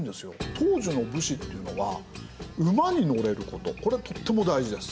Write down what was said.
当時の武士っていうのは馬に乗れることこれとっても大事です。